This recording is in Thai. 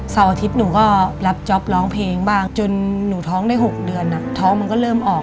อาทิตย์หนูก็รับจ๊อปร้องเพลงบ้างจนหนูท้องได้๖เดือนท้องมันก็เริ่มออก